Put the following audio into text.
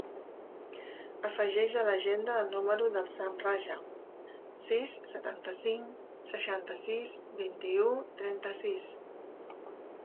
Afegeix a l'agenda el número del Sam Raja: sis, setanta-cinc, seixanta-sis, vint-i-u, trenta-sis.